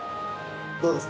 どうですか？